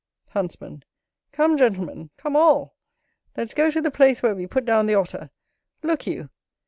Huntsman. Come, Gentlemen! come, all! let's go to the place where we put down the Otter. Look you!